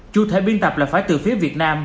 chủ thể biên tập là phải từ phía việt nam